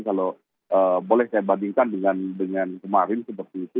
kalau boleh saya bandingkan dengan kemarin seperti itu